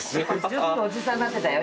ちょっとおじさんになってたよ